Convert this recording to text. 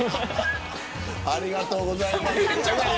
ありがとうございます。